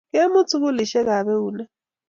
Kemut sukulisiekap eunek